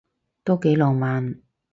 都幾浪漫